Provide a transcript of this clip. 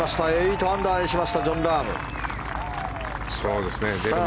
８アンダーにしましたジョン・ラーム。